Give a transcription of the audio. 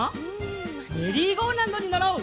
メリーゴーラウンドにのろう！